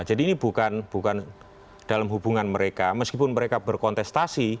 jadi ini bukan dalam hubungan mereka meskipun mereka berkontestasi